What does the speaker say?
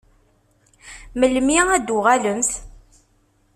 Melmi ad d-tuɣalemt?